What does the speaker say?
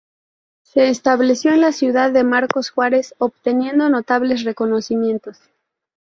Se estableció en la ciudad de Marcos Juárez, obteniendo notables reconocimientos.